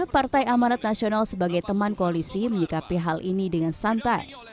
partai amanat nasional sebagai teman koalisi menyikapi hal ini dengan santai